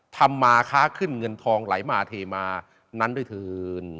ธรรมาคะขึ้นเงินทองไหลมาเทมานั้นด้วยทืน